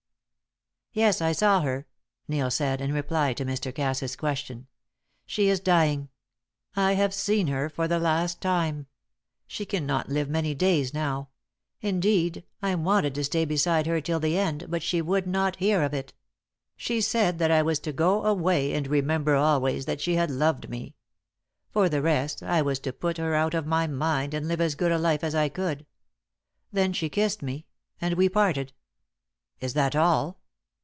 "Yes, I saw her," Neil said, in reply to Mr. Cass's question. "She is dying; I have seen her for the last time! She cannot live many days now; indeed, I wanted to stay beside her till the end, but she would not hear of it. She said that I was to go away and remember always that she had loved me. For the rest, I was to put her out of my mind, and live as good a life as I could. Then she kissed me, and we parted." "Is that all?"